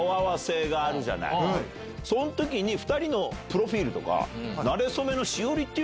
その時に２人のプロフィルとか。